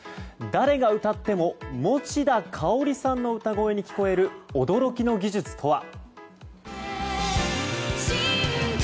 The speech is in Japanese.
誰が歌っても持田香織さんの歌声に聴こえる驚きの技術とは。